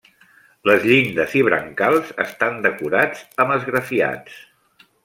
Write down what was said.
Les llindes i brancals estan decorats amb esgrafiats.